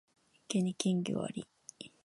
池に金魚あり